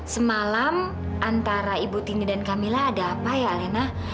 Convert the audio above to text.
semalam antara ibu tini dan camilla ada apa ya elena